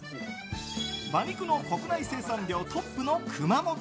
馬肉の国内生産量トップの熊本。